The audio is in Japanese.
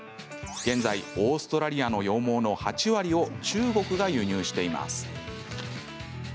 現在、オーストラリアの羊毛の８割を中国が輸入しています。